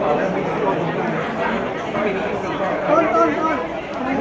อันดับสุดของเมืองอันดับสุดของเมืองอ